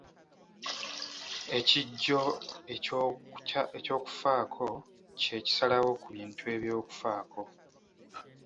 Ekijjo eky'okufaako kye kisalawo ku bintu eby'okufaako.